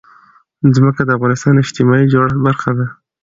ځمکه د افغانستان د اجتماعي جوړښت برخه ده.